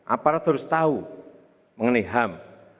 aparat harus tahu mengenai ham